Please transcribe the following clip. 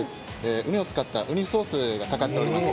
ウニを使ったウニソースがかかっております。